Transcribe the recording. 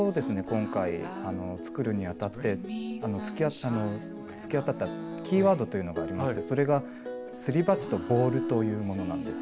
今回作るにあたって突き当たったキーワードというのがありましてそれがすり鉢とボールというものなんですけれども。